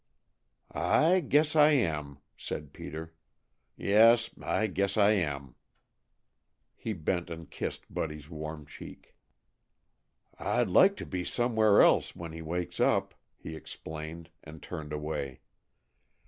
"I guess I am," said Peter. "Yes, I guess I am!" He bent and kissed Buddy's warm cheek. "I'd like to be somewheres else when he wakes up," he explained and turned away.